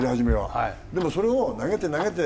でもそれを投げて投げて。